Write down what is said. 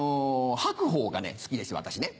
白鵬がね好きです私ね。